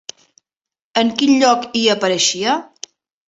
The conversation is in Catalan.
En quin lloc hi apareixia?